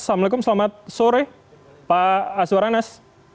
assalamualaikum selamat sore pak aswaranas